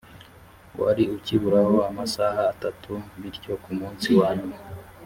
wari ukiburaho amasaha atatu bityo ku munsi wa nyuma